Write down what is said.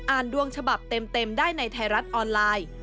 ดวงฉบับเต็มได้ในไทยรัฐออนไลน์